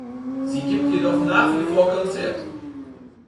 Sie gibt jedoch nach wie vor Konzerte.